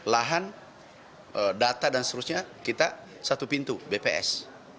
lahan data dan seterusnya kita satu pintu bps